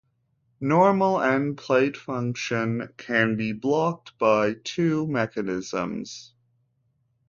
Normal end plate function can be blocked by two mechanisms.